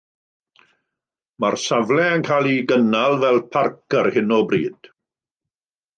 Mae'r safle yn cael ei gynnal fel parc ar hyn o bryd.